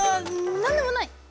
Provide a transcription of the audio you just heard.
なんでもない！